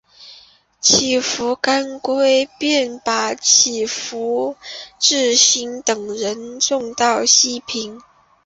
乞伏干归便把乞伏炽磐等人送到西平。